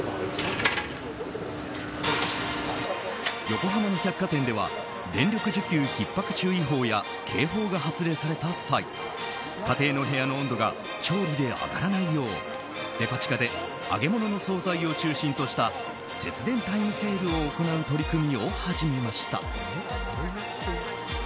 横浜の百貨店では電力需給ひっ迫注意報や警報が発令された際家庭の部屋の温度が調理で上がらないようデパ地下で揚げ物の総菜を中心とした節電タイムセールを行う取り組みを始めました。